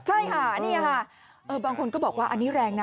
ใช่ค่ะนี่ค่ะบางคนก็บอกว่าอันนี้แรงนะ